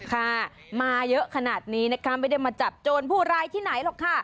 ค่ะมาเยอะขนาดนี้นะคะไม่ได้มาจับโจรผู้ร้ายที่ไหนหรอกค่ะ